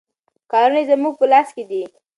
کارونه یې زموږ په لاس کې دي.